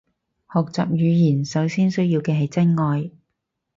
學習語言首先需要嘅係真愛